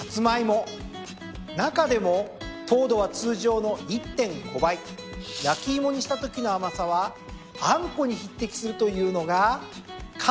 中でも糖度は通常の１．５倍焼き芋にしたときの甘さはあんこに匹敵するというのが。